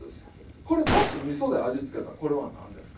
これもしみそで味つけたらこれは何ですか？